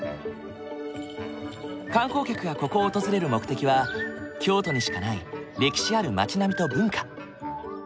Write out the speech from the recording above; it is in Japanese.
観光客がここを訪れる目的は京都にしかない歴史ある町並みと文化。